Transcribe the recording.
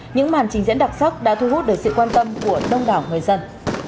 những màn trình diễn đặc sắc đã thu hút được sự quan tâm của đông đảo người dân